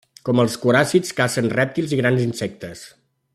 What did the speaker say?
Com els coràcids cacen rèptils i grans insectes.